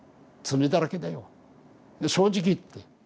罪だらけだよ正直言って。